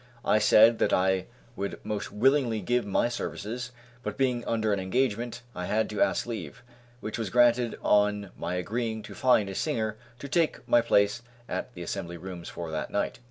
I said that I would most willingly give my services, but being under an engagement I had to ask leave, which was granted on my agreeing to find a singer to take my place at the Assembly Rooms for that night.